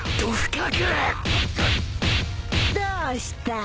どうした！？